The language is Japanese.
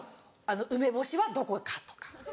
梅干しはどこかとか。